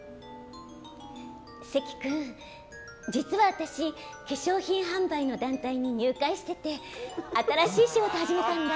関君、実は私化粧品販売の団体に入会してて新しい仕事、始めたんだ！